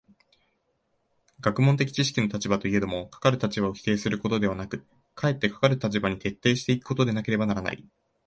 学問的知識の立場といえども、かかる立場を否定することではなく、かえってかかる立場に徹底し行くことでなければならない。